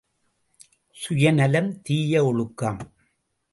சுயநலம் தீய ஒழுக்கம்.